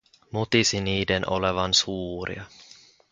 Mutisi niiden olevan suuria.